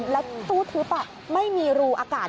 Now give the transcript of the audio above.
แล้วตู้ทึบไม่มีรูอากาศ